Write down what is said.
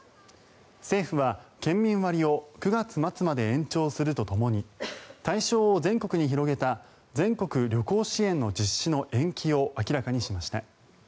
政府は県民割を９月末まで延長するとともに対象を全国に広げた全国旅行支援の実施の延期を明らかにしました。